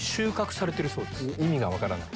意味が分からない。